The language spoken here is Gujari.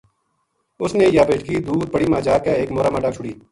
اس نے یاہ بیٹکی دور پڑی ما جا کے ایک مَورا ما ڈَک چھُڑی